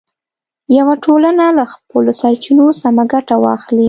یوه ټولنه له خپلو سرچینو سمه ګټه واخلي.